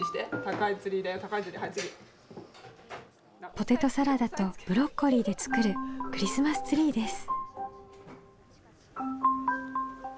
ポテトサラダとブロッコリーで作るクリスマスツリーです。